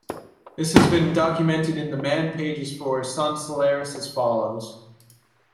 This has been documented in the man pages for Sun Solaris as follows.